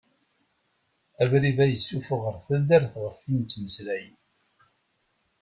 Abrid-a yessufuɣ ar taddart ɣef i nettmeslay.